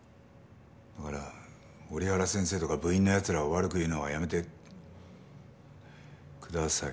だから折原先生とか部員の奴らを悪く言うのはやめてください。